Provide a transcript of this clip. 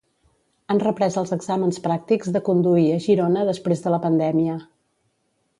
Han reprès els exàmens pràctics de conduir a Girona després de la pandèmia.